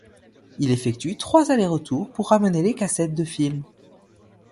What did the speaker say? Il effectue trois allers-retours pour ramener les cassettes de film.